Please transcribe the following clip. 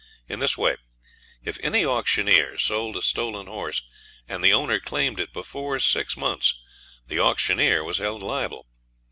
In this way: If any auctioneer sold a stolen horse and the owner claimed it before six months the auctioneer was held liable.